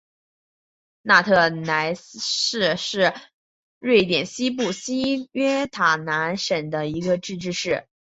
约特讷市是瑞典西部西约塔兰省的一个自治市。